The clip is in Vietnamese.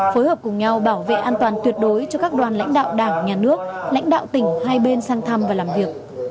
phối hợp cùng nhau bảo vệ an toàn tuyệt đối cho các đoàn lãnh đạo đảng nhà nước lãnh đạo tỉnh hai bên sang thăm và làm việc